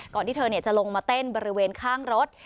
ที่เธอจะลงมาเต้นบริเวณข้างรถ